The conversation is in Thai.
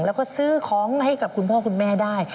แล้วก็ซื้อของให้กับคุณพ่อคุณแม่ได้